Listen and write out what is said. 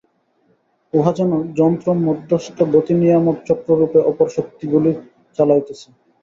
উহা যেন যন্ত্রমধ্যস্থ গতিনিয়ামক চক্ররূপে অপর শক্তিগুলি চালাইতেছে।